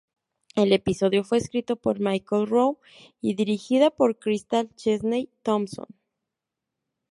El episodio fue escrito por Michael Rowe y dirigida por Crystal Chesney-Thompson.